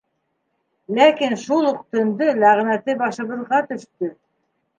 Ләкин шул уҡ төндө ләғнәте башыбыҙға төштө.